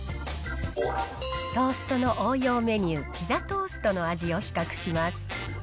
トーストの応用メニュー、ピザトーストの味を比較します。